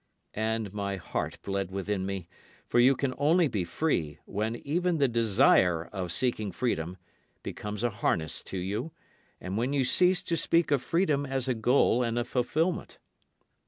And my heart bled within me; for you can only be free when even the desire of seeking freedom becomes a harness to you, and when you cease to speak of freedom as a goal and a fulfilment.